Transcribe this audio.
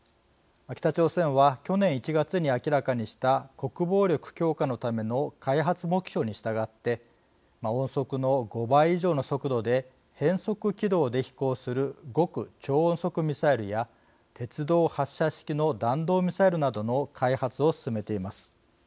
北朝鮮は去年１月に明らかにした国防力強化のための開発目標に従って音速の５倍以上の速度で変則軌道で飛行する極超音速ミサイルや鉄道発射式の弾道ミサイルなどの開発を進めています。